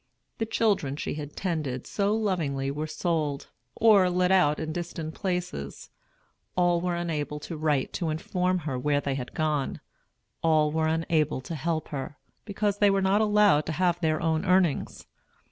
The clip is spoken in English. The children she had tended so lovingly were sold, or let out in distant places; all were unable to write to inform her where they had gone; all were unable to help her, because they were not allowed to have their own earnings.